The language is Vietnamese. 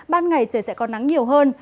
ban ngày trời sẽ còn nắng nhiều hơn